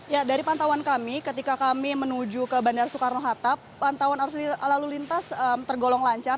ya dari pantauan kami ketika kami menuju ke bandara soekarno hatta pantauan arus lalu lintas tergolong lancar